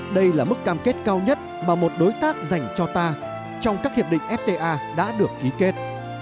đây là mức cam kết cao nhất mà một đối tác dành cho ta trong các hiệp định fta đã được ký kết